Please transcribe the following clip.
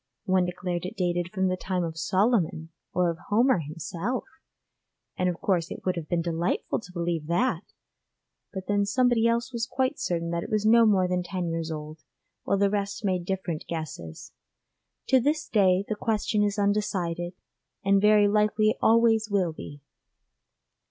One declared it dated from the time of Solomon or of Homer himself, and of course it would have been delightful to believe that! but then somebody else was quite certain it was no more than ten years old, while the rest made different guesses. To this day the question is undecided, and very likely always will be.